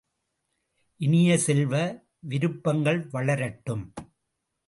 இனிய செல்வ, விருப்பங்கள் வளரட்டும்!